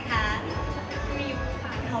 ครับพี่มิวค่ะ